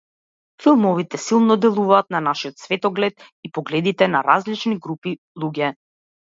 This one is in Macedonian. Филмовите силно делуваат на нашиот светоглед и погледите на различни групи луѓе.